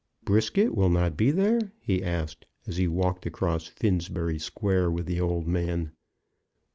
"Brisket will not be there?" he asked, as he walked across Finsbury Square with the old man.